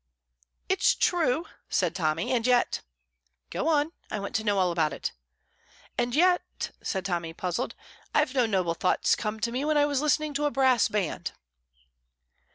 "It's true," said Tommy; "and yet " "Go on. I want to know all about it." "And yet," Tommy said, puzzled, "I've known noble thoughts come to me when I was listening to a brass band."